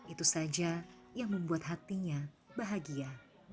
itu saja yang membuat hatinya bahagia